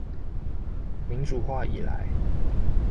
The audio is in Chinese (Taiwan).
民主化以來